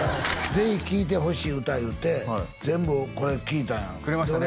ぜひ聞いてほしい歌いうて全部これ聴いたんやくれましたね